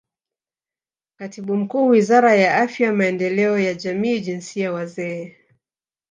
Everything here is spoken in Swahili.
Katibu Mkuu Wizara ya Afya Maendeleo ya Jamii Jinsia Wazee